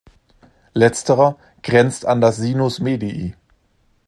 Letzterer grenzt an das Sinus Medii.